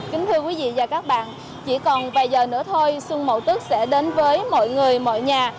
kính thưa quý vị và các bạn chỉ còn vài giờ nữa thôi xuân mộ tết sẽ đến với mọi người mọi nhà